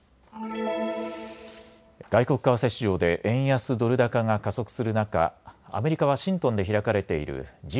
外国為替市場で円安ドル高が加速する中、アメリカ・ワシントンで開かれているＧ２０・